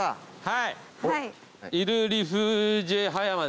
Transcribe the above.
はい。